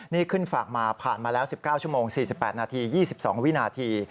นี่ขึ้นฝากมาผ่านมาแล้ว๑๙ชั่วโมง๔๘นาที๒๒วินาที